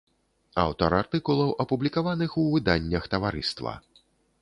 Аўтар артыкулаў, апублікаваных у выданнях таварыства.